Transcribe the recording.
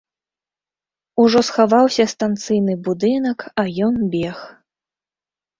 Ужо схаваўся станцыйны будынак, а ён бег.